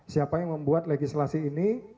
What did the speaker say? siapa yang membuat legislasi ini